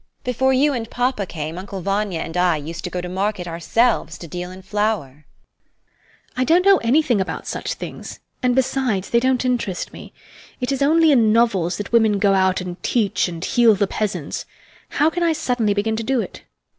Before you and papa came, Uncle Vanya and I used to go to market ourselves to deal in flour. HELENA. I don't know anything about such things, and besides, they don't interest me. It is only in novels that women go out and teach and heal the peasants; how can I suddenly begin to do it?